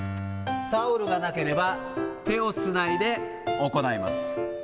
タオルがなければ手をつないで行います。